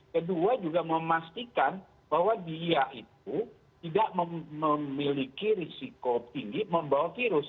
kedua juga memastikan bahwa dia itu tidak memiliki risiko tinggi membawa virus